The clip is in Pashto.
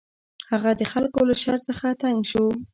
هغه د خلکو له شر څخه تنګ شو.